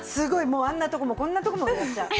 もうあんなとこもこんなとこもやっちゃう。